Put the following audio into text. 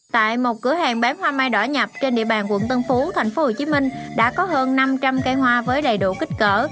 tại một cửa hàng bán hoa mai đỏ nhập trên địa bàn quận tân phú tp hcm đã có hơn năm trăm linh cây hoa với đầy đủ kích cỡ